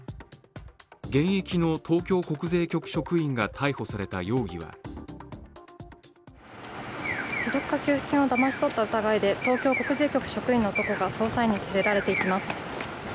現役の東京国税局職員が逮捕された容疑は持続化給付金をだまし取った疑いで東京国税局職員の男が捜査員に連れられていきます。